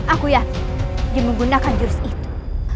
aku ya dia menggunakan jurus itu